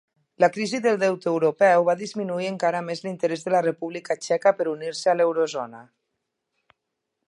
La crisi del deute europeu va disminuir encara més l'interès de la República Txeca per unir-se a l'eurozona.